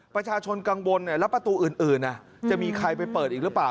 ประชาชนกังวลแล้วประตูอื่นจะมีใครไปเปิดอีกหรือเปล่า